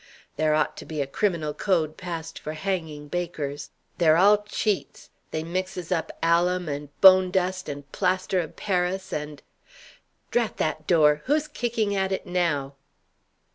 There ought to be a criminal code passed for hanging bakers. They're all cheats. They mixes up alum, and bone dust, and plaster of Paris, and Drat that door! Who's kicking at it now?"